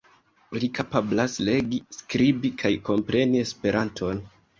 Li kapablas legi, skribi kaj kompreni Esperanton.